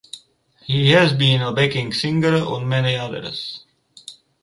He has been a backing singer on many others.